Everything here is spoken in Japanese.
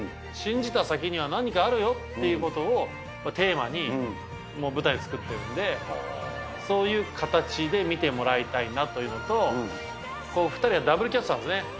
信じた先には何かあるよっていうことをテーマに、舞台を作ってるんで、そういう形で見てもらいたいなというのと、２人がダブルキャストなんですよね。